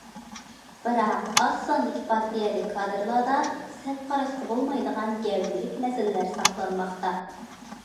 بىراق، ئاز ساندىكى پارتىيەلىك كادىرلاردا سەل قاراشقا بولمايدىغان گەۋدىلىك مەسىلىلەر ساقلانماقتا.